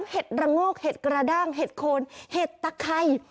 เห็ดระโงกเห็ดกระด้างเห็ดโคนเห็ดตะไข่